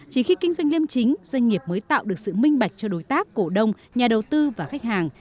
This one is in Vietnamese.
chỉ khi kinh doanh liêm chính doanh nghiệp mới tạo được sự minh bạch cho đối tác cổ đông nhà đầu tư và khách hàng